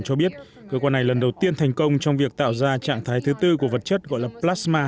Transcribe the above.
cho biết cơ quan này lần đầu tiên thành công trong việc tạo ra trạng thái thứ tư của vật chất gọi là plasma